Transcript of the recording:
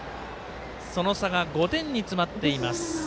その差が５点に詰まっています。